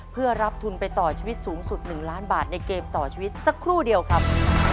เพื่อรับทุนไปต่อชีวิตสูงสุด๑ล้านบาทในเกมต่อชีวิตสักครู่เดียวครับ